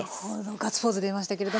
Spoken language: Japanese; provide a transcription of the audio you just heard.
ガッツポーズ出ましたけれども。